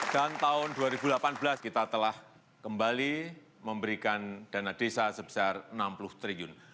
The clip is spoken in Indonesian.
dan tahun dua ribu delapan belas kita telah kembali memberikan dana desa sebesar rp enam puluh triliun